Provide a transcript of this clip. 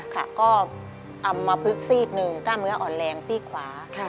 ค่ะก็อำมพลึกซีกหนึ่งกล้ามเนื้ออ่อนแรงซีกขวา